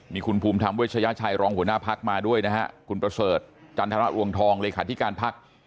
มีคุณภูมิธรรมเวชยชัยรองหัวหน้าพักมาด้วยนะฮะคุณประเสริฐจันทรรวงทองเลขาธิการพัก